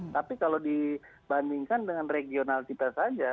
tapi kalau dibandingkan dengan regional kita saja